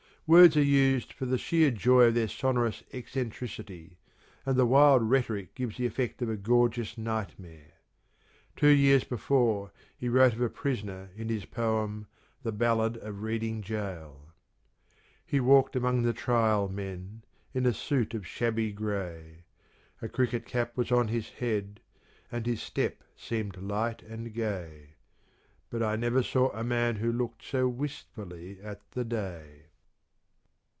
Words are used for the sheer joy of their sonorous eccentricity, and the wild rhetoric gives the effect of a gorgeous nightmare. Two years before, he wrote of a prisoner in his poem, " The Ballad of Reading Gaol": He walked among the trial men In a suit of shabby grey ; 222 CRITICAL STUDIES A cricket cap was on his head And his step seemed light and gay, But I never saw a man who looked So wistfully at the day.